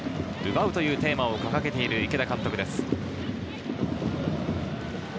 「奪う」というテーマを掲げている池田監督です。